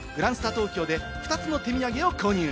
東京で２つの手土産を購入。